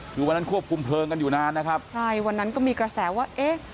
คือวันนั้นควบคุมเพลิงกันอยู่นานนะครับใช่วันนั้นก็มีกระแสว่าเอ๊ะ